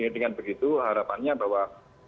dengan begitu harapannya bahwa